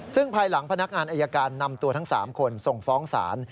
ซึ่งภายหลังพนักงานอายการนำตัวทั้ง๓คนส่งฟ้องศาล